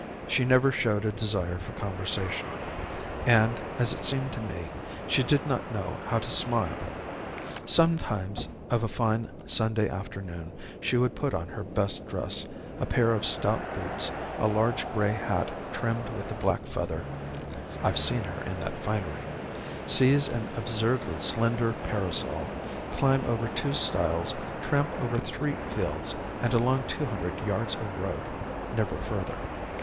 She never showed a desire for conversation, and, as it seemed to me, she did not know how to smile. Sometimes of a fine Sunday afternoon she would put on her best dress, a pair of stout boots, a large grey hat trimmed with a black feather (I've seen her in that finery), seize an absurdly slender parasol, climb over two stiles, tramp over three fields and along two hundred yards of road never further.